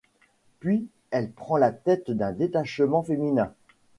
Puis elle prend la tête d’un détachement féminin.